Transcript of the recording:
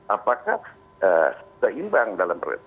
apakah seimbang dalam